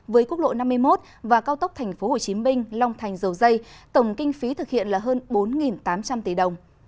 với quốc lộ năm mươi một và cao tốc tp hcm long thành dầu dây tổng kinh phí thực hiện là hơn bốn tám trăm linh tỷ đồng